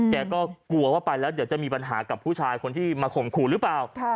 แกก็กลัวว่าไปแล้วเดี๋ยวจะมีปัญหากับผู้ชายคนที่มาข่มขู่หรือเปล่า